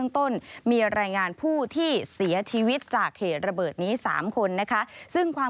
ใต้รัฐทีวีค่ะ